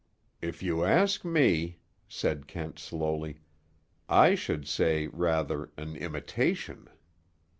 "If you ask me," said Kent slowly, "I should say, rather, an imitation."